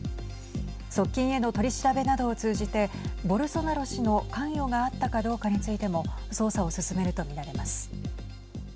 側近への取り調べなどを通じてボルソナロ氏の関与があったかどうかについても捜査を進めると見られます。